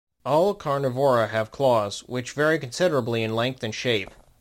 All Carnivora have claws, which vary considerably in length and shape.